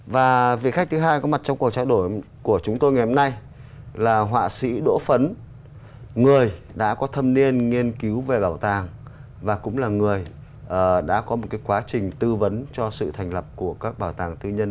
và vị khách thứ hai có mặt trong cuộc trao đổi của chúng tôi ngày hôm nay là họa sĩ đỗ phấn người đã có thâm niên nghiên cứu về bảo tàng và cũng là người đã có một quá trình tư vấn